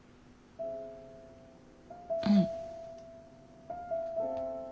うん。